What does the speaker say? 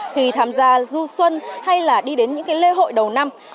khi tham gia du xuân hay là đi đến những lễ hội đầu năm